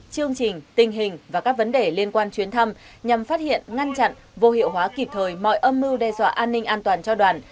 chương trình tình hình và các vấn đề liên quan chuyến thăm nhằm phát hiện ngăn chặn vô hiệu hóa kịp thời mọi âm mưu đe dọa an ninh an toàn cho đoàn